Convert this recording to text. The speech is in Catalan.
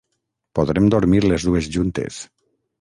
Podrem dormir les dues juntes.